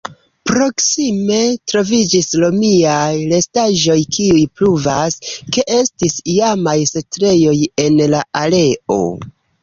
Proksime troviĝis romiaj restaĵoj kiuj pruvas, ke estis iamaj setlejoj en la areo.